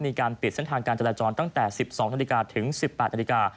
มีการปิดเส้นทางการจราจรตั้งแต่๑๒นาฬิกาถึง๑๘นาฬิกา